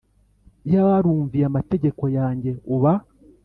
Iyaba warumviye amategeko yanjye uba